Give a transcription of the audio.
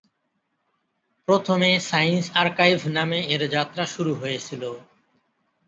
প্রথমে "science archive" নামে এর যাত্রা শুরু হয়েছিল।